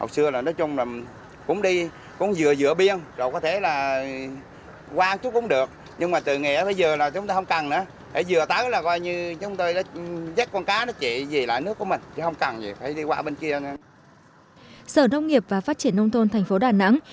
sở nông nghiệp và phát triển nông thôn tp đà nẵng